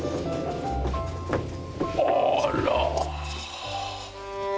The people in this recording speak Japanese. あら。